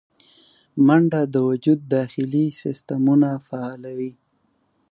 منډه د وجود داخلي سیستمونه فعالوي